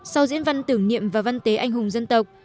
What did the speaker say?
sau diễn văn tưởng niệm và văn tế anh hùng dân tộc